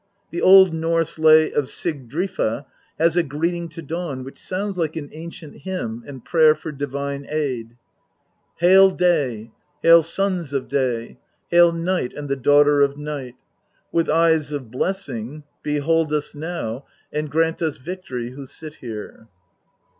The Old Norse lay of Sigrdrifa has a greeting to dawn, which sounds like an ancient hymn and prayer for divine aid : Hail Day, hail sons of Day, hail Night and the daughter of Night ! With eyes of blessing behold us now and grant us victory who sit here.